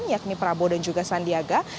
yakni prabowo dan juga sandiaga